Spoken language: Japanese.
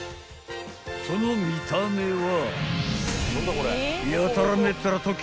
［その見た目は］